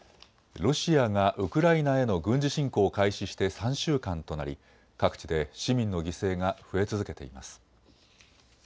ロシアがウクライナへの軍事侵攻を開始して３週間となり各地で市民の犠牲が増え続けています。